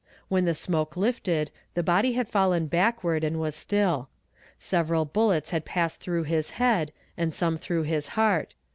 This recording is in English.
When the smoke lifted, the body had fallen backward, and was still. Several bullets had passed through his head, and some through his heart.